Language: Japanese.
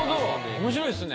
面白いっすね。